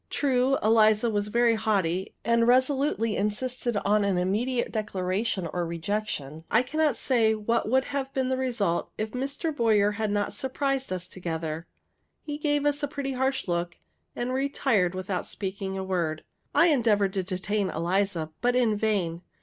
True, Eliza was very haughty, and resolutely insisted on an immediate declaration or rejection; and I cannot say what would have been the result if Mr. Boyer had not surprised us together. He gave us a pretty harsh look, and retired without speaking a word. I endeavored to detain Eliza, but in vain.